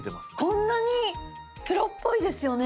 こんなに⁉プロっぽいですよね。